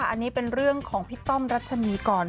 อันนี้เป็นเรื่องของพี่ต้อมรัชนีก่อน